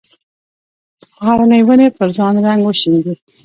غرنې ونې پر ځان رنګ وشیندي